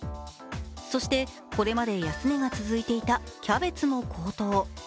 そして、これまで安値が続いていたキャベツも高騰。